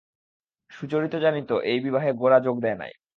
সুচরিতা জানিত এই বিবাহে গোরা যোগ দেয় নাই।